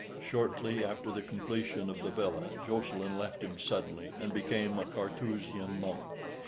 Shortly after the completion of the villa Jocelyn left him suddenly, and became a Carthusian monk.